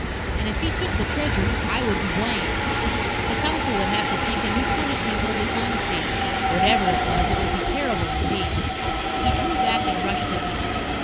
And if he took the Treasure, I would be blamed. The council would have to think a new punishment for dishonesty. Whatever it was, it would be terrible, indeed. He drew back and rushed at me.